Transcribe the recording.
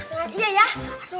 enggak sengaja ya aduh